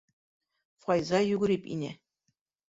Файза йүгереп инә.